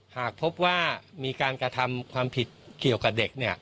หากพบว่ามีการกระทำความผิดเกี่ยวกับเด็ก